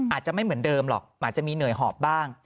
อาจจะไม่เหมือนเดิมหรอกอาจจะมีเหนื่อยหอบบ้าง